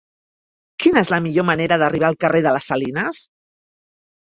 Quina és la millor manera d'arribar al carrer de les Salines?